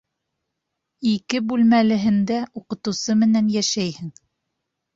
Ике бүлмәлеһендә уҡытыусы менән йәшәйһең.